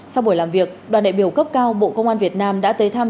sau buổi làm việc đoàn đại biểu cấp cao bộ công an việt nam đã tới thăm